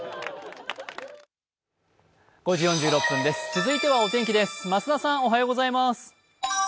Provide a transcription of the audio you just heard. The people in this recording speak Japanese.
続いてはお天気です。